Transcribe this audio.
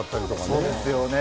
そうですよね。